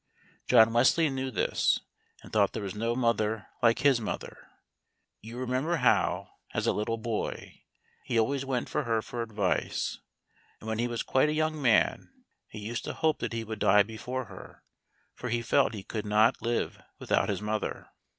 John Wesley knew this, and thought there was no mother like his mother. You remember how, as a little boy, he always went to her for advice; and when he was quite a young man he used to hope that he would die before her, for he felt he could not live without his mother.